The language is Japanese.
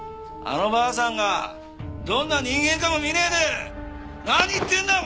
あのばあさんがどんな人間かも見ねえで何言ってんだ